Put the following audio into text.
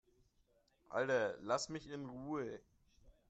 Alter, lass mich in Ruhe!